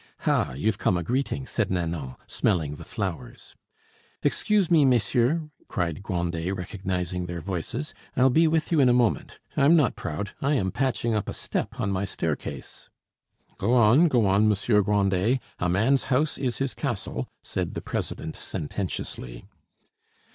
"Ha! you've come a greeting," said Nanon, smelling the flowers. "Excuse me, messieurs," cried Grandet, recognizing their voices; "I'll be with you in a moment. I'm not proud; I am patching up a step on my staircase." "Go on, go on, Monsieur Grandet; a man's house is his castle," said the president sententiously.